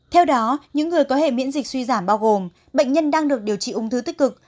theo đó những người có hệ miễn dịch suy giảm bao gồm bệnh nhân đang được điều trị ung thư tích cực